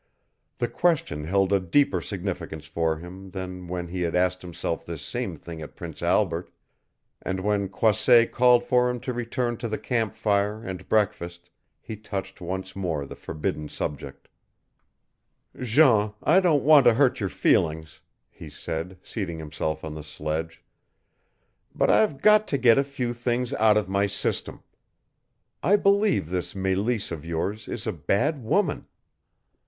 The question held a deeper significance for him than when he had asked himself this same thing at Prince Albert, and when Croisset called for him to return to the camp fire and breakfast he touched once more the forbidden subject. "Jean, I don't want to hurt your feelings," he said, seating himself on the sledge, "but I've got to get a few things out of my system. I believe this Meleese of yours is a bad woman."